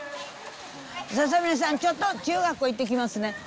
ささみやさん、ちょっと中学校行ってきますね。